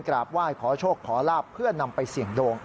กราบไหว้ขอโชคขอลาบเพื่อนำไปเสี่ยงดวง